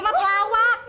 be cuma pelawak